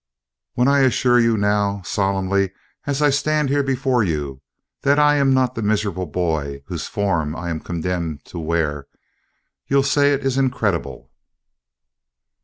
"When I assure you now, solemnly, as I stand here before you, that I am not the miserable boy whose form I am condemned to to wear, you'll say it is incredible?"